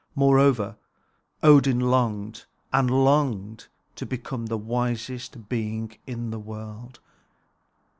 Moreover, Odin longed and longed to become the wisest being in the world.